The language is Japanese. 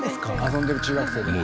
遊んでる中学生とか。